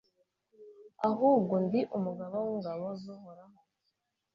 ahubwo ndi umugaba w'ingabo z'uhoraho